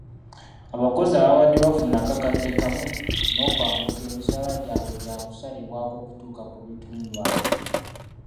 Abakozi ababadde bafuna akakadde kamu n'okwambuka emisaala gyabwe gyakusalibwako okutuuka ku bitundu abiri.